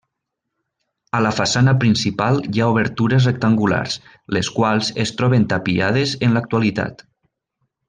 A la façana principal hi ha obertures rectangulars, les quals es troben tapiades en l'actualitat.